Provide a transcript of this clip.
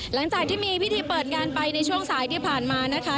หลังจากที่มีพิธีเปิดงานไปในช่วงสายที่ผ่านมานะคะ